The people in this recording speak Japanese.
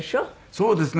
そうですね。